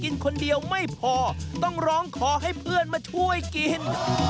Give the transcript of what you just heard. กินคนเดียวไม่พอต้องร้องขอให้เพื่อนมาช่วยกิน